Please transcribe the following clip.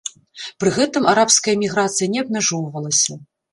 Пры гэтым арабская іміграцыя не абмяжоўвалася.